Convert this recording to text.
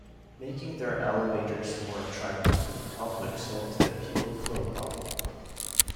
Making their Elevators more attractive to the public solved the people flow problem.